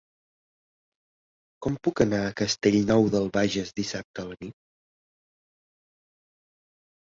Com puc anar a Castellnou de Bages dissabte a la nit?